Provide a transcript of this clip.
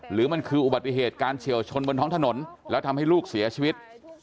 หรือมันคืออุบัติเหตุการเฉียวชนบนท้องถนนแล้วทำให้ลูกเสียชีวิต